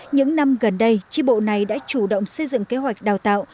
những năm gần đây tri bộ này đã chủ động xây dựng kế hoạch đào tạo